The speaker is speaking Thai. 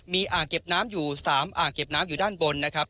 มีอ่างเก็บน้ำอยู่๓อ่างเก็บน้ำอยู่ด้านบนนะครับ